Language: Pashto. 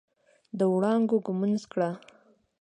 د وړانګو ږمنځ کړه